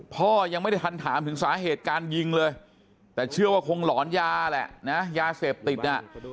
พ่อยังไม่ได้ทันถามถึงสาเหตุการยิงเลยแต่เชื่อว่าคงหลอนยาแหละนะยาเสพติดน่ะ